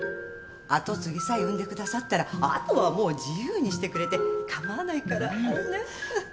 跡継ぎさえ産んでくださったらあとはもう自由にしてくれて構わないから。